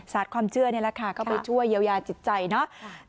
ศาสตร์ความเจื้อเนี่ยแหละค่ะเข้าไปช่วยเยียวยาจิตใจนะ